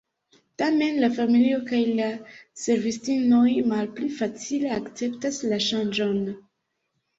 Tamen, la familio kaj la servistinoj malpli facile akceptas la ŝanĝon.